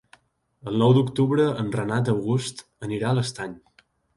El nou d'octubre en Renat August irà a l'Estany.